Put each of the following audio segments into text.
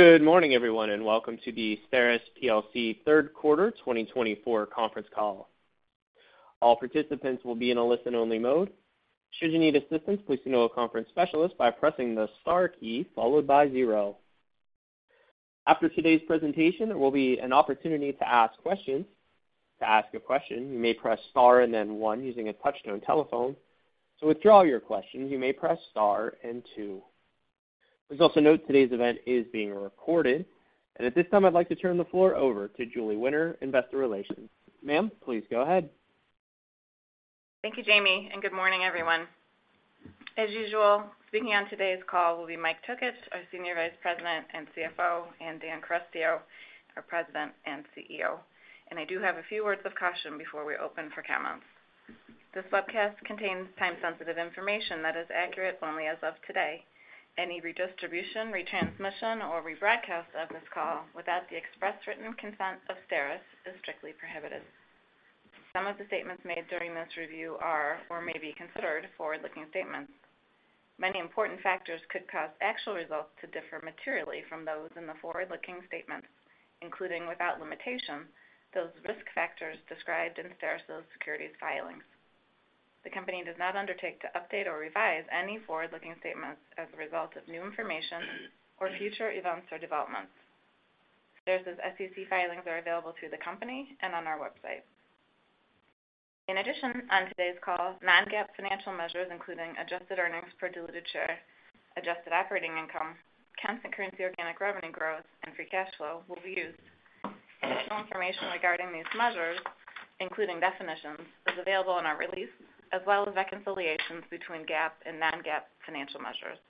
Good morning, everyone, and welcome to the STERIS plc Third Quarter 2024 Conference Call. All participants will be in a listen-only mode. Should you need assistance, please know a conference specialist by pressing the Star key followed by zero. After today's presentation, there will be an opportunity to ask questions. To ask a question, you may press Star and then one using a touchtone telephone. To withdraw your question, you may press star and two. Please also note today's event is being recorded, and at this time, I'd like to turn the floor over to Julie Winter, Investor Relations. Ma'am, please go ahead. Thank you, Jamie, and good morning, everyone. As usual, speaking on today's call will be Mike Tokich, our Senior Vice President and CFO, and Dan Carestio, our President and CEO. I do have a few words of caution before we open for comments. This webcast contains time-sensitive information that is accurate only as of today. Any redistribution, retransmission, or rebroadcast of this call without the express written consent of STERIS is strictly prohibited. Some of the statements made during this review are or may be considered forward-looking statements. Many important factors could cause actual results to differ materially from those in the forward-looking statements, including, without limitation, those risk factors described in STERIS's SEC filings. The company does not undertake to update or revise any forward-looking statements as a result of new information or future events or developments. STERIS' SEC filings are available through the company and on our website. In addition, on today's call, non-GAAP financial measures, including adjusted earnings per diluted share, adjusted operating income, constant currency, organic revenue growth, and free cash flow, will be used. Additional information regarding these measures, including definitions, is available in our release, as well as reconciliations between GAAP and non-GAAP financial measures.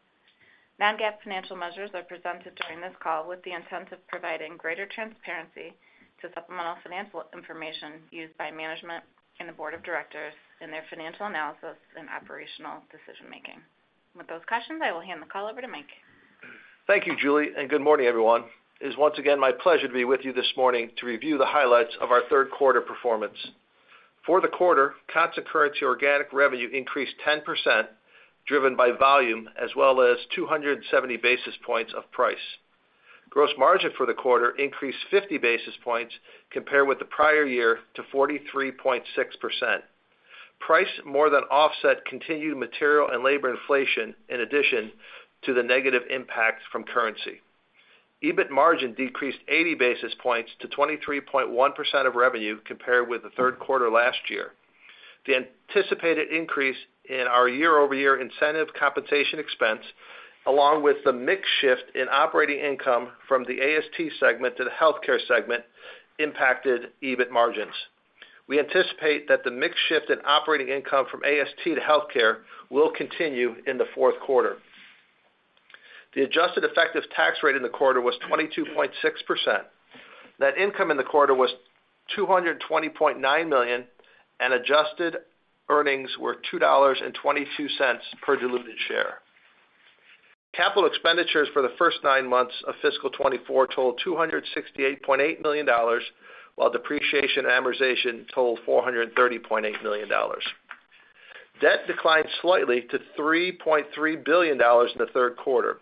Non-GAAP financial measures are presented during this call with the intent of providing greater transparency to supplemental financial information used by management and the board of directors in their financial analysis and operational decision-making. With those questions, I will hand the call over to Mike. Thank you, Julie, and good morning, everyone. It is once again my pleasure to be with you this morning to review the highlights of our third quarter performance. For the quarter, Constant Currency Organic Revenue increased 10%, driven by volume as well as 270 basis points of price. Gross margin for the quarter increased 50 basis points compared with the prior year to 43.6%. Price more than offset continued material and labor inflation in addition to the negative impact from currency. EBIT margin decreased 80 basis points to 23.1% of revenue compared with the third quarter last year. The anticipated increase in our year-over-year incentive compensation expense, along with the mix shift in operating income from the AST segment to the Healthcare segment, impacted EBIT margins. We anticipate that the mix shift in operating income from AST to Healthcare will continue in the fourth quarter. The adjusted effective tax rate in the quarter was 22.6%. Net income in the quarter was $220.9 million, and adjusted earnings were $2.22 per diluted share. Capital expenditures for the first nine months of fiscal 2024 totaled $268.8 million, while depreciation and amortization totaled $430.8 million. Debt declined slightly to $3.3 billion in the third quarter.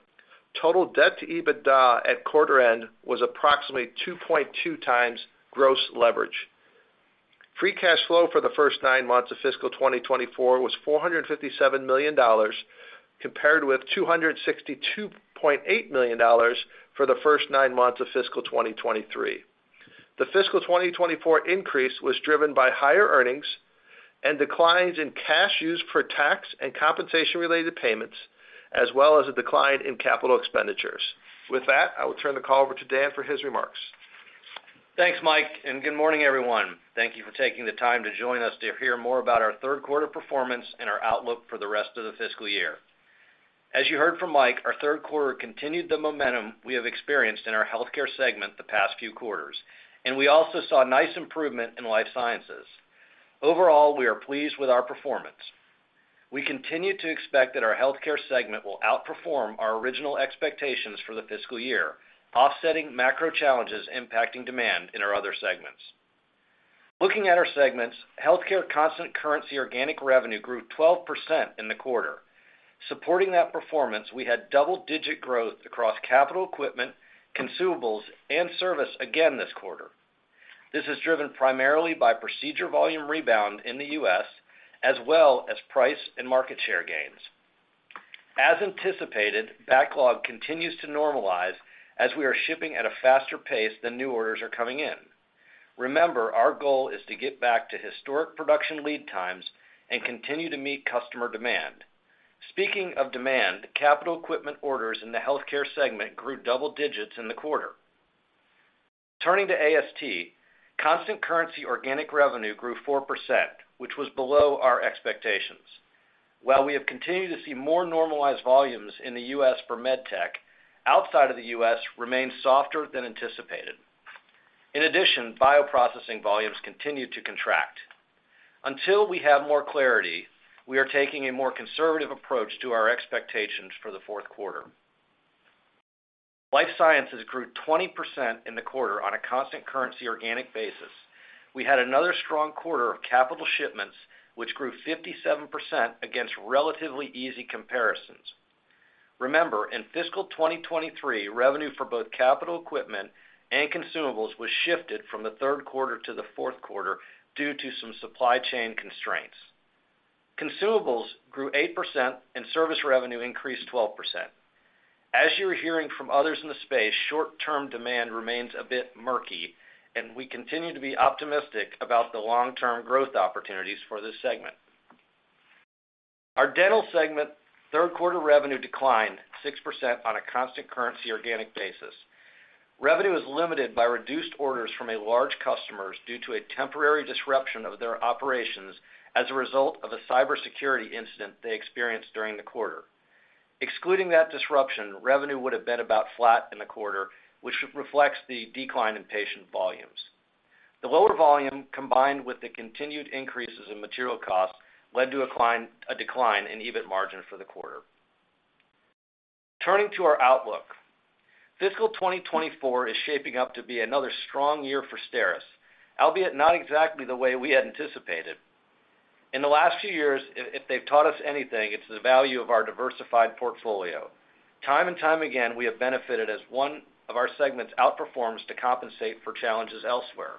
Total debt to EBITDA at quarter end was approximately 2.2x gross leverage. Free cash flow for the first nine months of fiscal 2024 was $457 million, compared with $262.8 million for the first nine months of fiscal 2023. The fiscal 2024 increase was driven by higher earnings and declines in cash used for tax and compensation-related payments, as well as a decline in capital expenditures. With that, I will turn the call over to Dan for his remarks. Thanks, Mike, and good morning, everyone. Thank you for taking the time to join us to hear more about our third quarter performance and our outlook for the rest of the fiscal year. As you heard from Mike, our third quarter continued the momentum we have experienced in our Healthcare segment the past few quarters, and we also saw a nice improvement in Life Sciences. Overall, we are pleased with our performance. We continue to expect that our Healthcare segment will outperform our original expectations for the fiscal year, offsetting macro challenges impacting demand in our other segments. Looking at our segments, Healthcare Constant Currency Organic Revenue grew 12% in the quarter. Supporting that performance, we had double-digit growth across capital equipment, consumables, and service again this quarter. This is driven primarily by procedure volume rebound in the U.S., as well as price and market share gains. As anticipated, backlog continues to normalize as we are shipping at a faster pace than new orders are coming in. Remember, our goal is to get back to historic production lead times and continue to meet customer demand. Speaking of demand, capital equipment orders in the Healthcare segment grew double digits in the quarter. Turning to AST, constant currency organic revenue grew 4%, which was below our expectations. While we have continued to see more normalized volumes in the U.S. for MedTech, outside of the U.S. remains softer than anticipated. In addition, bioprocessing volumes continue to contract. Until we have more clarity, we are taking a more conservative approach to our expectations for the fourth quarter. Life Sciences grew 20% in the quarter on a constant currency organic basis. We had another strong quarter of capital shipments, which grew 57% against relatively easy comparisons. Remember, in fiscal 2023, revenue for both capital equipment and consumables was shifted from the third quarter to the fourth quarter due to some supply chain constraints. Consumables grew 8%, and service revenue increased 12%. As you're hearing from others in the space, short-term demand remains a bit murky, and we continue to be optimistic about the long-term growth opportunities for this segment. Our Dental segment, third quarter revenue declined 6% on a constant currency organic basis. Revenue is limited by reduced orders from a large customer due to a temporary disruption of their operations as a result of a cybersecurity incident they experienced during the quarter. Excluding that disruption, revenue would have been about flat in the quarter, which reflects the decline in patient volumes. The lower volume, combined with the continued increases in material costs, led to a decline in EBIT margin for the quarter. Turning to our outlook. Fiscal 2024 is shaping up to be another strong year for STERIS, albeit not exactly the way we had anticipated. In the last few years, if they've taught us anything, it's the value of our diversified portfolio. Time and time again, we have benefited as one of our segments outperforms to compensate for challenges elsewhere.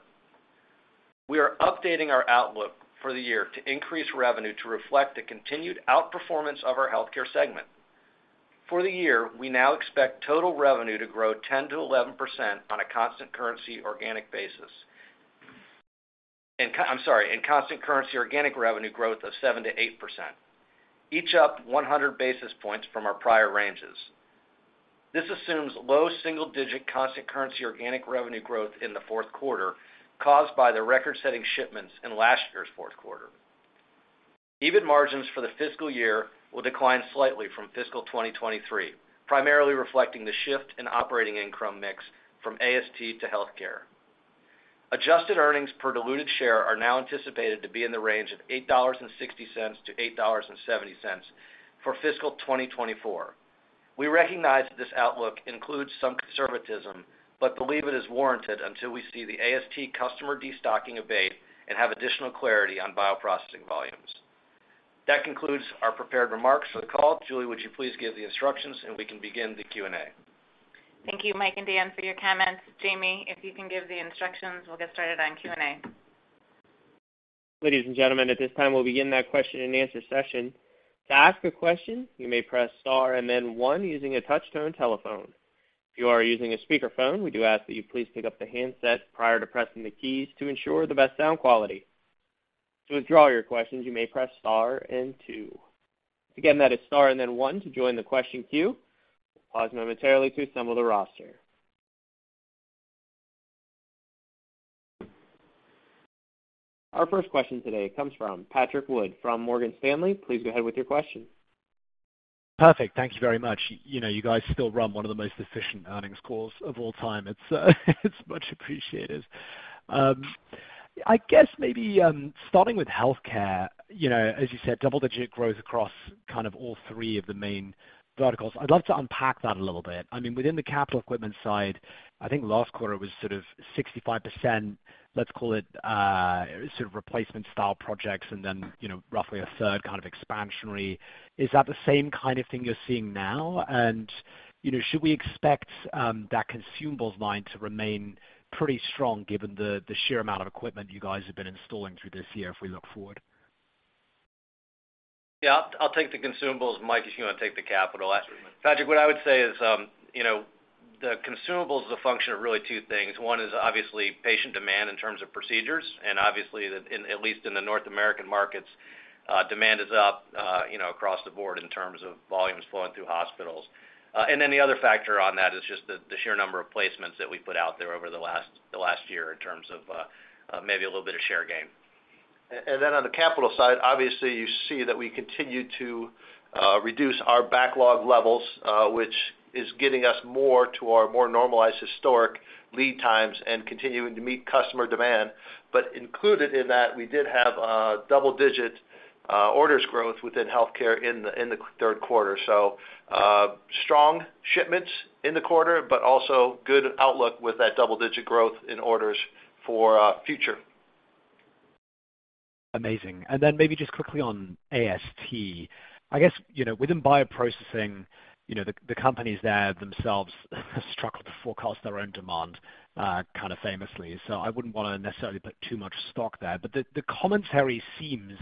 We are updating our outlook for the year to increase revenue to reflect the continued outperformance of our Healthcare segment. For the year, we now expect total revenue to grow 10%-11% on a constant currency organic basis. In constant currency, organic revenue growth of 7%-8%, each up 100 basis points from our prior ranges. This assumes low single-digit Constant Currency Organic Revenue growth in the fourth quarter, caused by the record-setting shipments in last year's fourth quarter. EBIT margins for the fiscal year will decline slightly from fiscal 2023, primarily reflecting the shift in operating income mix from AST to Healthcare. Adjusted earnings per diluted share are now anticipated to be in the range of $8.60-$8.70 for fiscal 2024. We recognize that this outlook includes some conservatism, but believe it is warranted until we see the AST customer destocking abate and have additional clarity on bioprocessing volumes. That concludes our prepared remarks for the call. Julie, would you please give the instructions and we can begin the Q&A? Thank you, Mike and Dan, for your comments. Jamie, if you can give the instructions, we'll get started on Q&A. Ladies and gentlemen, at this time, we'll begin that question-and-answer session. To ask a question, you may press star and then one using a touch-tone telephone. If you are using a speakerphone, we do ask that you please pick up the handset prior to pressing the keys to ensure the best sound quality. To withdraw your questions, you may press star and two. Again, that is star and then one to join the question queue. We'll pause momentarily to assemble the roster. Our first question today comes from Patrick Wood from Morgan Stanley. Please go ahead with your question. Perfect. Thank you very much. You know, you guys still run one of the most efficient earnings calls of all time. It's, it's much appreciated. I guess maybe, starting with Healthcare, you know, as you said, double-digit growth across kind of all three of the main verticals. I'd love to unpack that a little bit. I mean, within the capital equipment side, I think last quarter was sort of 65%, let's call it, sort of replacement style projects, and then, you know, roughly a third kind of expansionary. Is that the same kind of thing you're seeing now? And, you know, should we expect, that consumables line to remain pretty strong given the, the sheer amount of equipment you guys have been installing through this year if we look forward? Yeah, I'll take the consumables. Mike, if you want to take the capital. Patrick, what I would say is, you know, the consumables is a function of really two things. One is obviously patient demand in terms of procedures, and obviously, in at least in the North American markets, demand is up, you know, across the board in terms of volumes flowing through hospitals. And then the other factor on that is just the sheer number of placements that we put out there over the last year in terms of maybe a little bit of share gain. Then on the capital side, obviously, you see that we continue to reduce our backlog levels, which is getting us more to our more normalized historic lead times and continuing to meet customer demand. But included in that, we did have double-digit orders growth within Healthcare in the third quarter. So, strong shipments in the quarter, but also good outlook with that double-digit growth in orders for future. Amazing. And then maybe just quickly on AST. I guess, you know, within bioprocessing, you know, the companies there themselves have struggled to forecast their own demand, kind of famously, so I wouldn't want to necessarily put too much stock there. But the commentary seems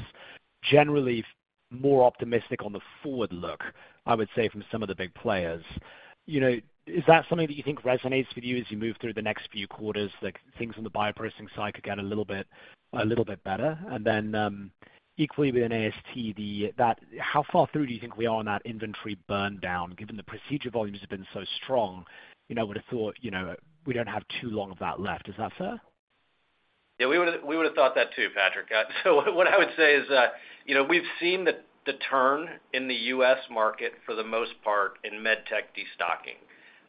generally more optimistic on the forward look, I would say, from some of the big players. You know, is that something that you think resonates with you as you move through the next few quarters, like things on the bioprocessing side could get a little bit, a little bit better? And then, equally with AST, how far through do you think we are on that inventory burn down, given the procedure volumes have been so strong? You know, I would have thought, you know, we don't have too long of that left. Is that fair? Yeah, we would've thought that, too, Patrick. So what I would say is that, you know, we've seen the turn in the U.S. market for the most part in MedTech destocking.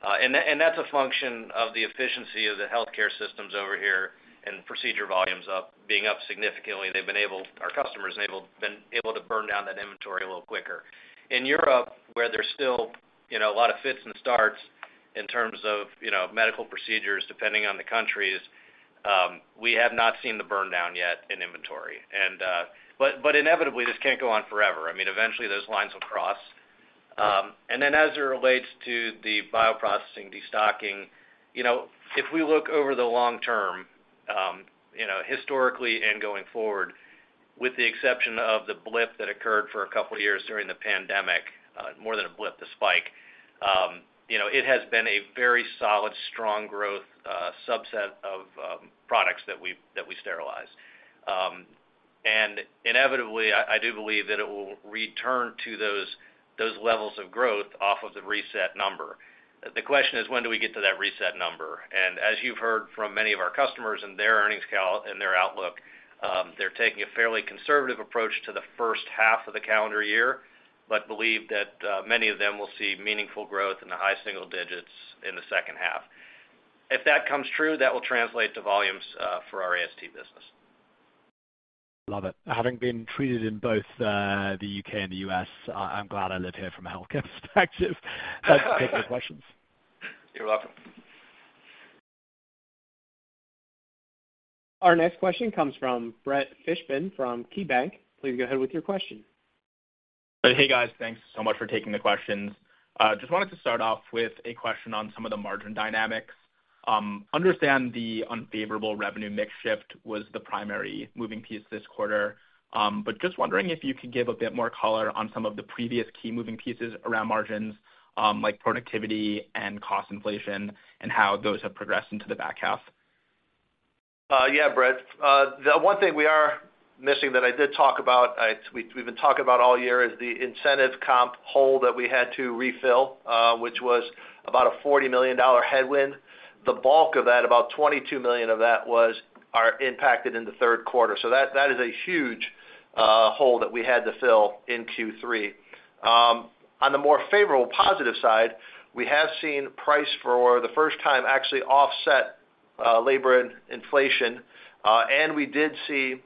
And that's a function of the efficiency of the healthcare systems over here and procedure volumes being up significantly. Our customers have been able to burn down that inventory a little quicker. In Europe, where there's still, you know, a lot of fits and starts in terms of, you know, medical procedures, depending on the countries, we have not seen the burn down yet in inventory. But inevitably, this can't go on forever. I mean, eventually, those lines will cross. And then as it relates to the bioprocessing, destocking, you know, if we look over the long term, you know, historically and going forward, with the exception of the blip that occurred for a couple of years during the pandemic, more than a blip, a spike, you know, it has been a very solid, strong growth, subset of products that we, that we sterilize. Inevitably, I, I do believe that it will return to those, those levels of growth off of the reset number. The question is, when do we get to that reset number? And as you've heard from many of our customers and their earnings call and their outlook, they're taking a fairly conservative approach to the first half of the calendar year, but believe that many of them will see meaningful growth in the high single digits in the second half. If that comes true, that will translate to volumes for our AST business. Love it. Having been treated in both the U.K. and the U.S., I'm glad I live here from a healthcare perspective. Thanks for the questions. You're welcome. Our next question comes from Brett Fishbin from KeyBanc. Please go ahead with your question. Hey, guys. Thanks so much for taking the questions. Just wanted to start off with a question on some of the margin dynamics. Understand the unfavorable revenue mix shift was the primary moving piece this quarter, but just wondering if you could give a bit more color on some of the previous key moving pieces around margins, like productivity and cost inflation, and how those have progressed into the back half. Yeah, Brett. The one thing we are missing that I did talk about, we've been talking about all year, is the incentive comp hole that we had to refill, which was about a $40 million headwind. The bulk of that, about $22 million of that, are impacted in the third quarter. So that is a huge hole that we had to fill in Q3. On the more favorable, positive side, we have seen price for the first time actually offset labor and inflation, and we did see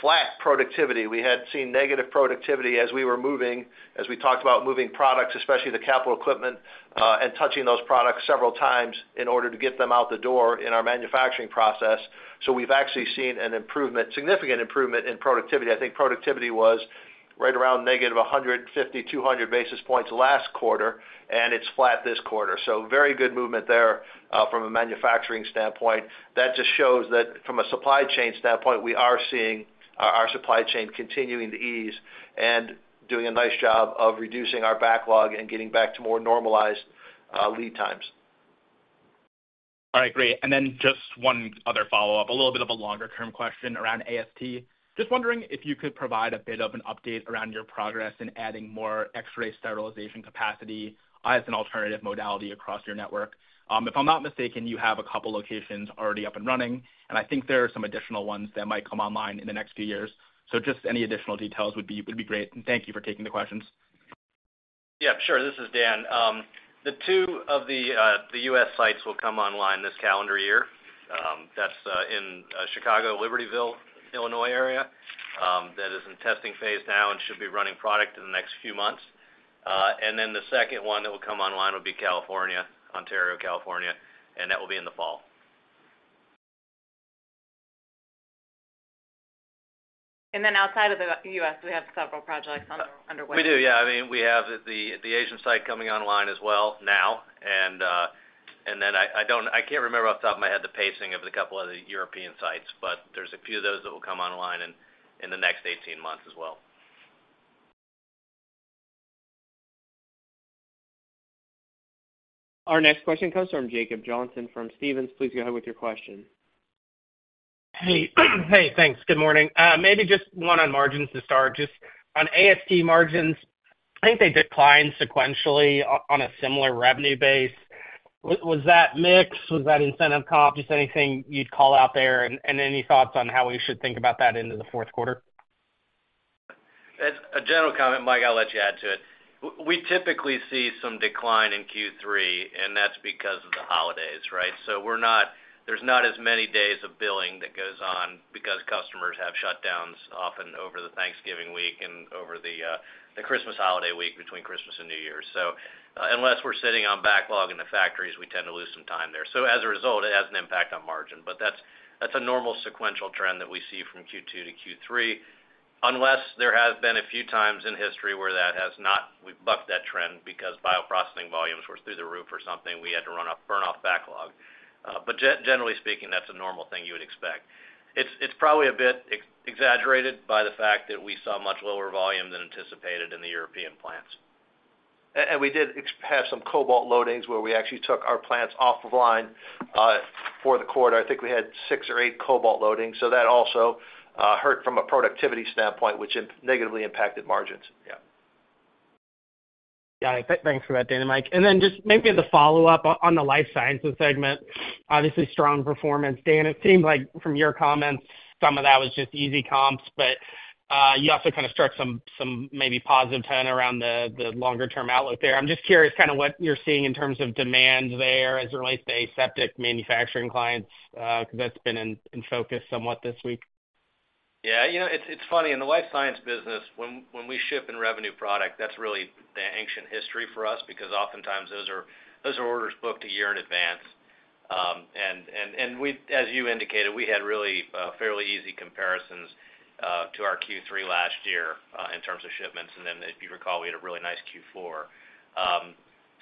flat productivity. We had seen negative productivity as we were moving, as we talked about moving products, especially the capital equipment, and touching those products several times in order to get them out the door in our manufacturing process. So we've actually seen an improvement, significant improvement in productivity. I think productivity was right around negative 150 basis points-200 basis points last quarter, and it's flat this quarter. So very good movement there from a manufacturing standpoint. That just shows that from a supply chain standpoint, we are seeing our, our supply chain continuing to ease and doing a nice job of reducing our backlog and getting back to more normalized lead times. All right, great. And then just one other follow-up, a little bit of a longer-term question around AST. Just wondering if you could provide a bit of an update around your progress in adding more X-ray sterilization capacity as an alternative modality across your network. If I'm not mistaken, you have a couple locations already up and running, and I think there are some additional ones that might come online in the next few years. So just any additional details would be great. And thank you for taking the questions. Yeah, sure. This is Dan. The two U.S. sites will come online this calendar year. That's in Chicago, Libertyville, Illinois area, that is in testing phase now and should be running product in the next few months. And then the second one that will come online would be California, Ontario, California, and that will be in the fall. And then outside of the U.S., we have several projects underway. We do, yeah. I mean, we have the Asian site coming online as well now. And then I can't remember off the top of my head the pacing of a couple of the European sites, but there's a few of those that will come online in the next 18 months as well. Our next question comes from Jacob Johnson from Stephens. Please go ahead with your question. Hey, hey, thanks. Good morning. Maybe just one on margins to start. Just on AST margins, I think they declined sequentially on a similar revenue base. Was that mix? Was that incentive comp? Just anything you'd call out there, and any thoughts on how we should think about that into the fourth quarter? As a general comment, Mike, I'll let you add to it. We typically see some decline in Q3, and that's because of the holidays, right? So there's not as many days of billing that goes on because customers have shutdowns often over the Thanksgiving week and over the Christmas holiday week between Christmas and New Year's. So unless we're sitting on backlog in the factories, we tend to lose some time there. So as a result, it has an impact on margin, but that's, that's a normal sequential trend that we see from Q2 to Q3. Unless there have been a few times in history where that has not—we've bucked that trend because bioprocessing volumes were through the roof or something, we had to run off, burn off backlog. But generally speaking, that's a normal thing you would expect. It's probably a bit exaggerated by the fact that we saw much lower volume than anticipated in the European plants. And we did actually have some cobalt loadings where we actually took our plants off of line for the quarter. I think we had six or eight cobalt loadings, so that also hurt from a productivity standpoint, which negatively impacted margins. Yeah. Got it. Thanks for that, Dan and Mike. And then just maybe as a follow-up on the Life Sciences segment, obviously, strong performance. Dan, it seemed like from your comments, some of that was just easy comps, but you also kind of struck some maybe positive turn around the longer term outlook there. I'm just curious kind of what you're seeing in terms of demand there as it relates to aseptic manufacturing clients, because that's been in focus somewhat this week. Yeah, you know, it's funny, in the Life Science business, when we ship and revenue product, that's really the ancient history for us, because oftentimes, those are orders booked a year in advance. As you indicated, we had really fairly easy comparisons to our Q3 last year in terms of shipments. And then, if you recall, we had a really nice Q4.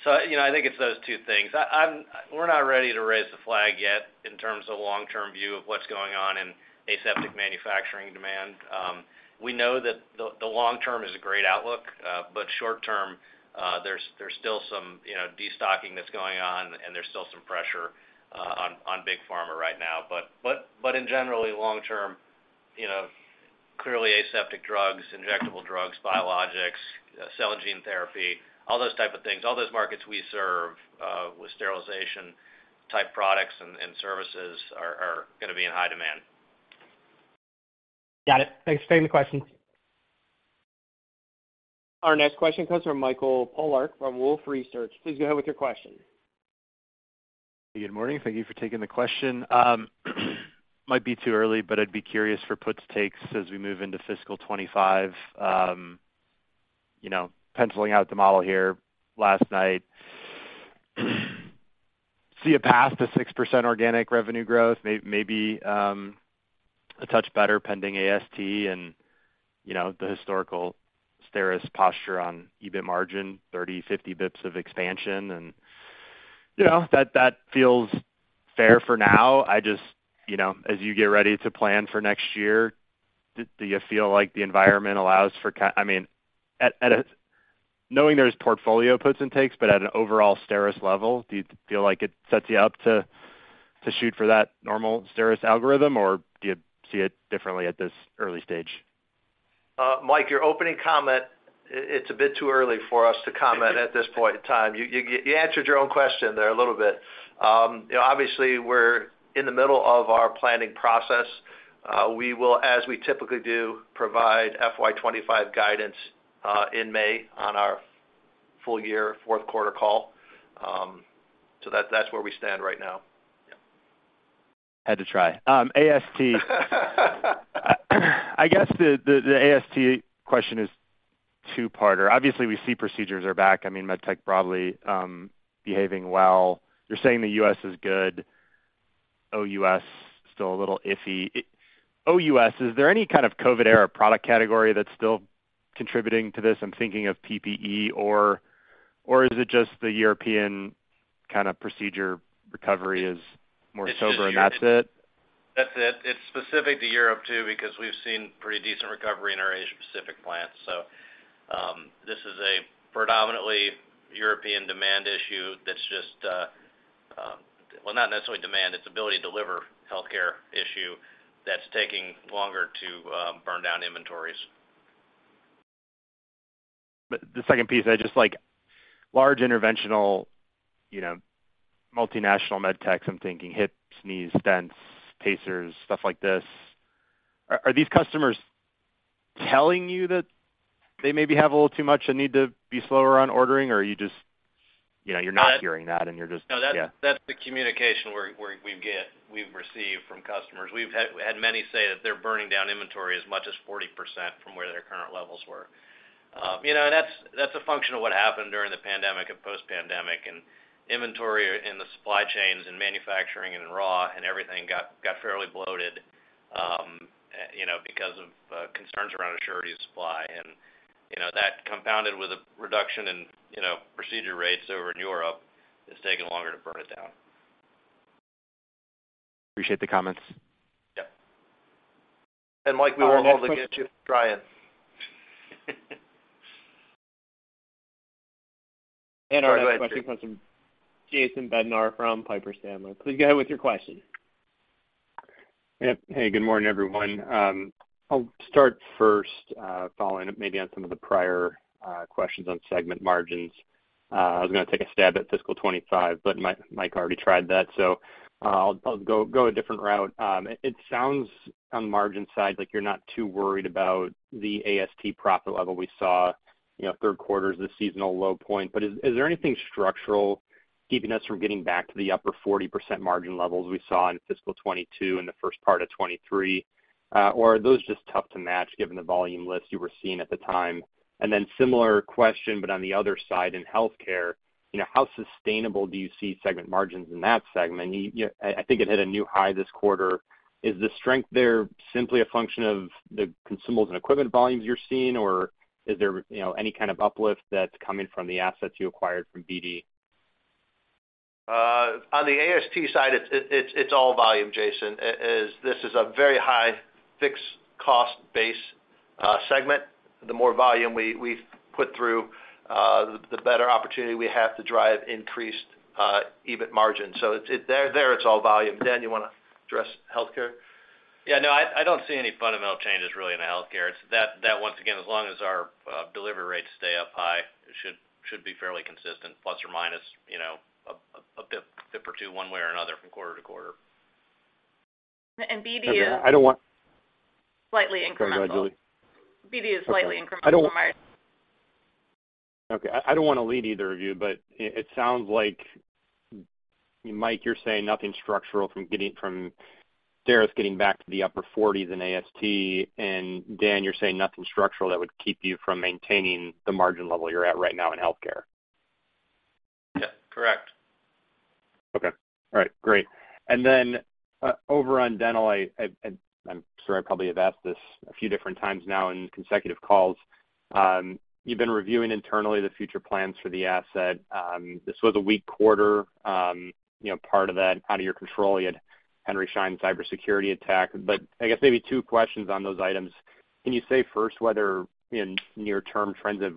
So, you know, I think it's those two things. We're not ready to raise the flag yet in terms of long-term view of what's going on in aseptic manufacturing demand. We know that the long term is a great outlook, but short term, there's still some, you know, destocking that's going on, and there's still some pressure on big pharma right now. But in general, long term, you know, clearly aseptic drugs, injectable drugs, biologics, cell and gene therapy, all those type of things, all those markets we serve with sterilization-type products and services are going to be in high demand. Got it. Thanks for taking the question. Our next question comes from Michael Polark from Wolfe Research. Please go ahead with your question. Good morning. Thank you for taking the question. Might be too early, but I'd be curious for puts takes as we move into fiscal 2025. You know, penciling out the model here last night, see a path to 6% organic revenue growth, maybe a touch better pending AST and, you know, the historical STERIS posture on EBIT margin, 30 basis points-50 basis points of expansion. You know, that feels fair for now. I just, you know, as you get ready to plan for next year, do you feel like the environment allows for I mean, at a knowing there's portfolio puts and takes, but at an overall STERIS level, do you feel like it sets you up to shoot for that normal STERIS algorithm, or do you see it differently at this early stage? Mike, your opening comment, it's a bit too early for us to comment at this point in time. You answered your own question there a little bit. You know, obviously, we're in the middle of our planning process. We will, as we typically do, provide FY2025 guidance in May on our full year fourth quarter call. So that's where we stand right now. Had to try. AST. I guess the AST question is two-parter. Obviously, we see procedures are back. I mean, MedTech broadly, behaving well. You're saying the U.S. is good, OUS still a little iffy. OUS, is there any kind of COVID-era product category that's still contributing to this? I'm thinking of PPE, or is it just the European kind of procedure recovery is more sober, and that's it? That's it. It's specific to Europe, too, because we've seen pretty decent recovery in our Asia Pacific plants. So, this is a predominantly European demand issue that's just... Well, not necessarily demand, it's ability to deliver healthcare issue that's taking longer to burn down inventories. But the second piece, I just like, large interventional, you know, multinational MedTechs, I'm thinking hips, knees, stents, pacers, stuff like this. Are these customers telling you that they maybe have a little too much and need to be slower on ordering? Or are you just, you know, you're not hearing that, and you're just- No, that's- Yeah. That's the communication we're getting, we've received from customers. We've had many say that they're burning down inventory as much as 40% from where their current levels were. You know, that's a function of what happened during the pandemic and post-pandemic, and inventory in the supply chains and manufacturing and in raw materials and everything got fairly bloated, you know, because of concerns around assurance of supply. And, you know, that compounded with a reduction in procedure rates over in Europe, it's taking longer to burn it down. Appreciate the comments. Yeah. And, Mike, we will also get you trying. Our next question comes from Jason Bednar from Piper Sandler. Please go ahead with your question. Yep. Hey, good morning, everyone. I'll start first, following up maybe on some of the prior questions on segment margins. I was going to take a stab at fiscal 2025, but Mike already tried that, so, I'll go a different route. It sounds on the margin side, like you're not too worried about the AST profit level we saw, you know, third quarter is the seasonal low point. But is there anything structural keeping us from getting back to the upper 40% margin levels we saw in fiscal 2022 and the first part of 2023? Or are those just tough to match given the volume lifts you were seeing at the time? And then similar question, but on the other side, in healthcare, you know, how sustainable do you see segment margins in that segment? I think it hit a new high this quarter. Is the strength there simply a function of the consumables and equipment volumes you're seeing, or is there, you know, any kind of uplift that's coming from the assets you acquired from BD? On the AST side, it's all volume, Jason. As this is a very high fixed cost base segment. The more volume we put through, the better opportunity we have to drive increased EBIT margin. So it's all volume. Dan, you want to address healthcare? Yeah, no, I don't see any fundamental changes really in the healthcare. It's that once again, as long as our delivery rates stay up high, it should be fairly consistent, plus or minus, you know, a basis point or two, one way or another from quarter to quarter. BD is- I don't want- Slightly incremental. Go ahead, Julie. BD is slightly incremental- I don't want- Okay, I don't wanna lead either of you, but it sounds like, Mike, you're saying nothing structural from getting—from STERIS getting back to the upper 40s in AST, and Dan, you're saying nothing structural that would keep you from maintaining the margin level you're at right now in healthcare. Yeah, correct. Okay. All right, great. And then, over on Dental, I’m sure I probably have asked this a few different times now in consecutive calls. You’ve been reviewing internally the future plans for the asset. This was a weak quarter. You know, part of that out of your control, you had Henry Schein cybersecurity attack. But I guess maybe two questions on those items. Can you say first, whether in near term, trends have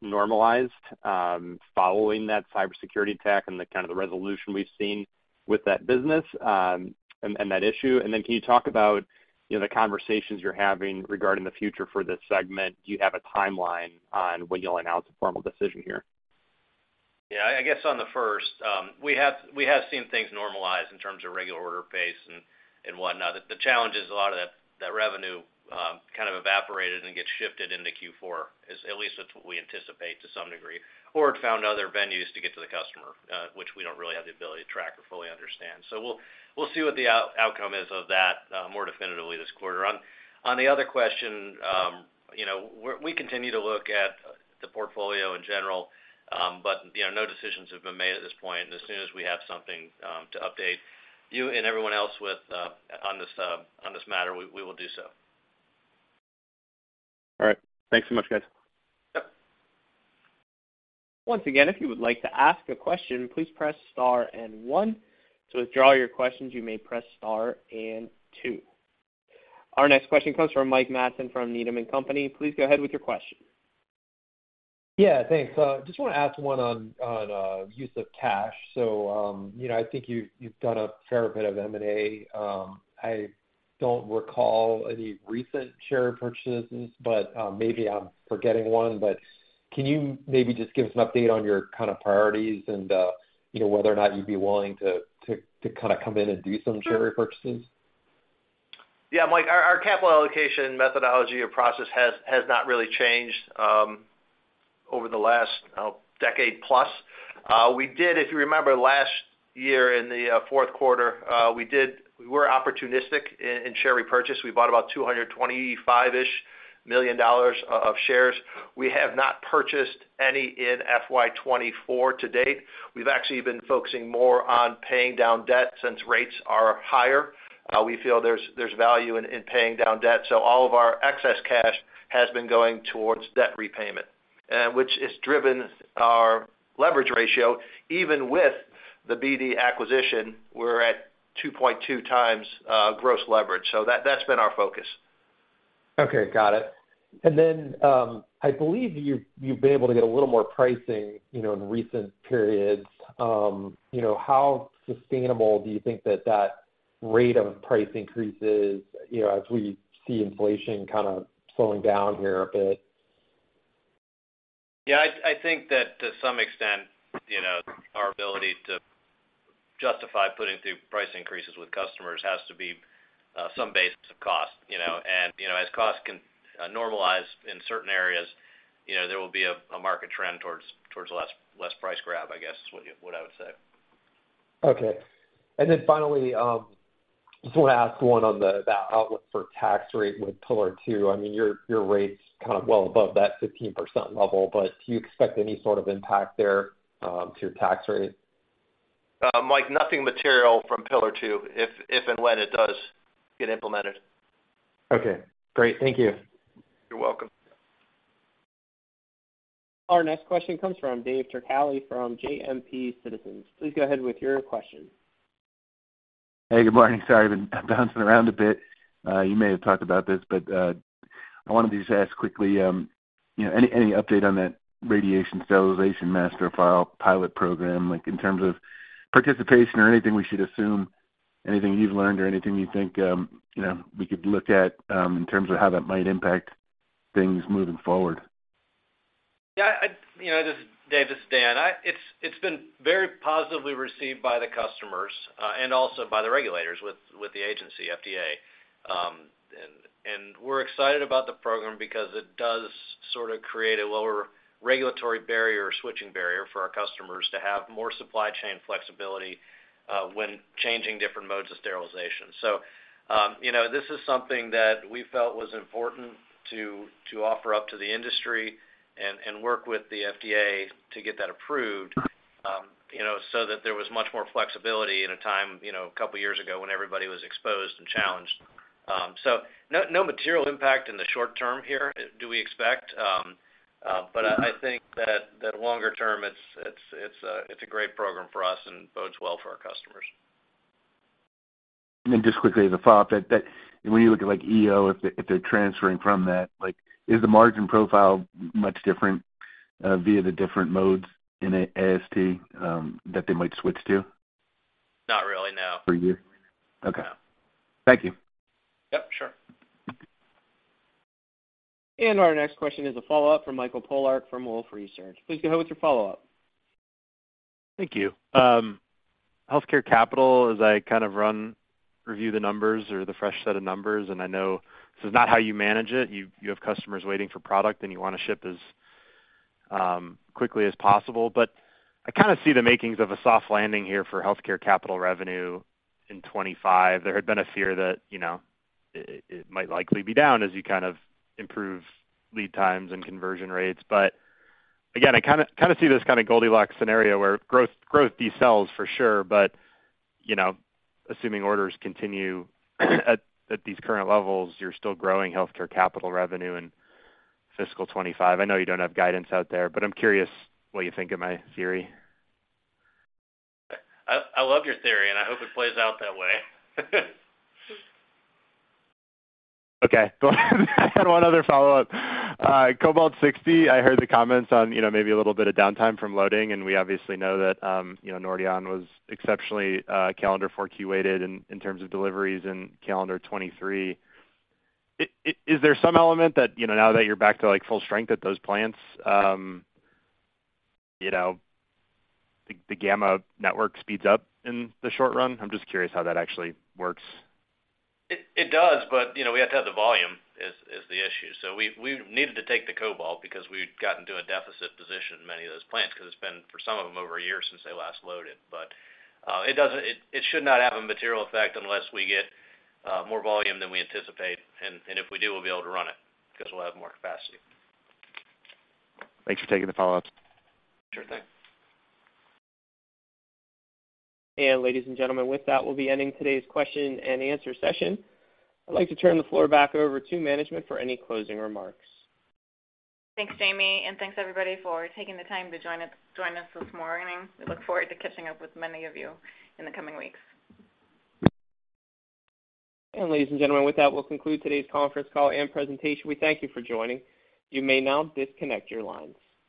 normalized, following that cybersecurity attack and the kind of the resolution we’ve seen with that business, and, and that issue? And then can you talk about, you know, the conversations you’re having regarding the future for this segment? Do you have a timeline on when you’ll announce a formal decision here? Yeah, I guess on the first, we have seen things normalize in terms of regular order pace and whatnot. The challenge is a lot of that revenue kind of evaporated and gets shifted into Q4, at least that's what we anticipate to some degree, or it found other venues to get to the customer, which we don't really have the ability to track or fully understand. So we'll see what the outcome is of that more definitively this quarter. On the other question, you know, we continue to look at the portfolio in general, but you know, no decisions have been made at this point. And as soon as we have something to update you and everyone else with on this matter, we will do so. All right. Thanks so much, guys. Yep. Once again, if you would like to ask a question, please press Star and One. To withdraw your questions, you may press Star and Two. Our next question comes from Mike Matson from Needham & Company. Please go ahead with your question. Yeah, thanks. Just wanna add to one on use of cash. So, you know, I think you've done a fair bit of M&A. I don't recall any recent share purchases, but maybe I'm forgetting one. But can you maybe just give us an update on your kind of priorities and, you know, whether or not you'd be willing to come in and do some share repurchases? Yeah, Mike, our capital allocation methodology or process has not really changed over the last decade plus. We did, if you remember, last year in the fourth quarter, we did. We were opportunistic in share repurchase. We bought about $225-ish million of shares. We have not purchased any in FY 2024 to date. We've actually been focusing more on paying down debt since rates are higher. We feel there's value in paying down debt. So all of our excess cash has been going towards debt repayment, which has driven our leverage ratio. Even with the BD acquisition, we're at 2.2x gross leverage. So that's been our focus. Okay, got it. And then, I believe you, you've been able to get a little more pricing, you know, in recent periods. You know, how sustainable do you think that that rate of price increases, you know, as we see inflation kind of slowing down here a bit? Yeah, I think that to some extent, you know, our ability to justify putting through price increases with customers has to be some basis of cost, you know. And, you know, as costs normalize in certain areas, you know, there will be a market trend towards, towards less, less price grab, I guess, is what I would say. Okay. And then finally, just wanna ask one on the outlook for tax rate with Pillar Two. I mean, your rate's kind of well above that 15% level, but do you expect any sort of impact there, to your tax rate? Mike, nothing material from Pillar Two, if and when it does get implemented. Okay, great. Thank you. You're welcome. Our next question comes from Dave Turkaly from Citizens JMP. Please go ahead with your question. Hey, good morning. Sorry, I've been bouncing around a bit. You may have talked about this, but I wanted to just ask quickly, you know, any update on that Radiation Sterilization Master File Pilot Program, like in terms of participation or anything we should assume, anything you've learned or anything you think, you know, we could look at, in terms of how that might impact things moving forward? Yeah, you know, this is Dave, this is Dan. It's been very positively received by the customers and also by the regulators with the agency, FDA. And we're excited about the program because it does sort of create a lower regulatory barrier or switching barrier for our customers to have more supply chain flexibility when changing different modes of sterilization. So, you know, this is something that we felt was important to offer up to the industry and work with the FDA to get that approved, you know, so that there was much more flexibility in a time, you know, a couple of years ago, when everybody was exposed and challenged. So no, no material impact in the short term here, do we expect. But I think that longer term, it's a great program for us and bodes well for our customers. And then just quickly as a follow-up, that when you look at, like, EO, if they, if they're transferring from that, like, is the margin profile much different via the different modes in a AST that they might switch to? Not really, no. For you. Okay. Thank you. Yep, sure. Our next question is a follow-up from Michael Polark from Wolfe Research. Please go ahead with your follow-up.... Thank you. Healthcare Capital, as I kind of run, review the numbers or the fresh set of numbers, and I know this is not how you manage it. You have customers waiting for product, and you want to ship as quickly as possible. But I kind of see the makings of a soft landing here for Healthcare Capital revenue in 2025. There had been a fear that, you know, it might likely be down as you kind of improve lead times and conversion rates. But again, I kind of, kind of see this kind of Goldilocks scenario where growth, growth decels for sure, but, you know, assuming orders continue at these current levels, you're still growing Healthcare Capital revenue in fiscal 2025. I know you don't have guidance out there, but I'm curious what you think of my theory. I love your theory, and I hope it plays out that way. Okay. I had one other follow-up. Cobalt-60, I heard the comments on, you know, maybe a little bit of downtime from loading, and we obviously know that, you know, Nordion was exceptionally, calendar 4Q-weighted in terms of deliveries in calendar 2023. Is there some element that, you know, now that you're back to, like, full strength at those plants, you know, the gamma network speeds up in the short run? I'm just curious how that actually works. It does, but you know, we have to have the volume; is the issue. So we needed to take the cobalt because we'd gotten to a deficit position in many of those plants, because it's been, for some of them, over a year since they last loaded. But it doesn't. It should not have a material effect unless we get more volume than we anticipate, and if we do, we'll be able to run it because we'll have more capacity. Thanks for taking the follow-ups. Sure thing. Ladies and gentlemen, with that, we'll be ending today's question and answer session. I'd like to turn the floor back over to management for any closing remarks. Thanks, Jamie, and thanks everybody for taking the time to join us, join us this morning. We look forward to catching up with many of you in the coming weeks. Ladies and gentlemen, with that, we'll conclude today's conference call and presentation. We thank you for joining. You may now disconnect your lines.